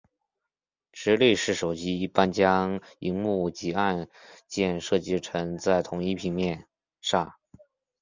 直立式手机一般将萤幕及按键设计成在同一平面上。